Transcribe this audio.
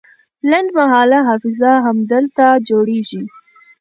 لنډمهاله حافظه همدلته جوړیږي.